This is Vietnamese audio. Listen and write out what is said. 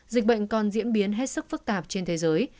dịch bệnh còn diễn biến hết sức phức tạp trên thế giới